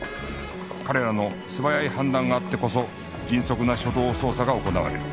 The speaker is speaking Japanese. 彼らの素早い判断があってこそ迅速な初動捜査が行われる